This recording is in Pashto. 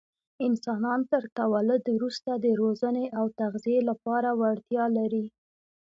انسانان تر تولد وروسته د روزنې او تغذیې لپاره وړتیا لري.